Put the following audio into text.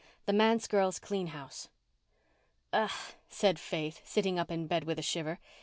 THE MANSE GIRLS CLEAN HOUSE "Ugh," said Faith, sitting up in bed with a shiver.